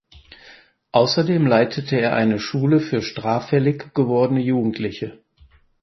Außerdem leitete er eine Schule für straffällig gewordene Jugendliche.